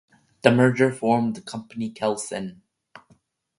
The merger formed the company Kelsen.